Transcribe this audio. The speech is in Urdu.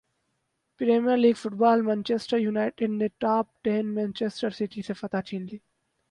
premier league football Manchester United نے ٹاپ ٹیم مانچسٹر سٹی سے فتح چھین لی